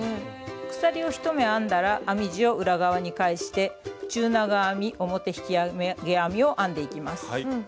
鎖を１目編んだら編み地を裏側に返して中長編み表引き上げ編みを編んでいきます。